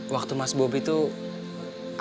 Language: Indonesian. waktu mas bobby tuh